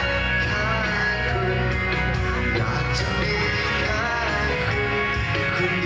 อีกเพลงหนึ่งครับนี้ให้สนสารเฉพาะเลย